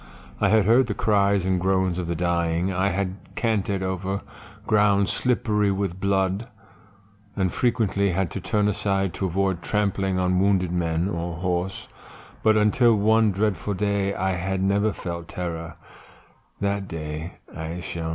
I had heard the cries and groans of the dying, I had cantered over ground slippery with blood, and frequently had to turn aside to avoid trampling on wounded man or horse, but, until one dreadful day, I had never felt terror; that day I shall never forget."